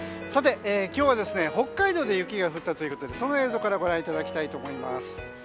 今日は北海道で雪が降ったということでその映像からご覧いただきたいと思います。